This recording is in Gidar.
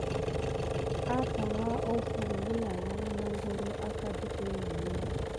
Apànha hofŋu wulanga na mangoro aka de békiguni.